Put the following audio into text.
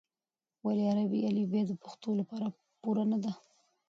ولې عربي الفبې د پښتو لپاره پوره نه ده؟